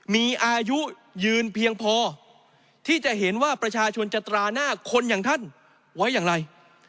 มีอายุยืนเพียงพอที่จะเห็นว่าประชาชนจะตราหน้าคนอย่างท่านไว้อย่างไร